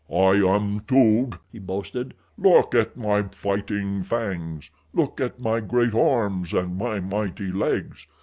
"I am Toog," he boasted. "Look at my fighting fangs. Look at my great arms and my mighty legs.